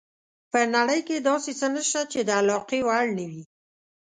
په نړۍ کې داسې څه نشته چې د علاقې وړ نه وي.